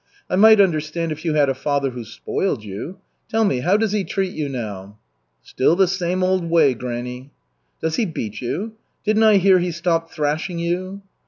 I might understand if you had a father who spoiled you. Tell me, how does he treat you now?" "Still the same old way, granny." "Does he beat you? Didn't I hear he stopped thrashing you?"